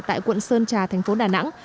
tại quận sơn trà thành phố đà nẵng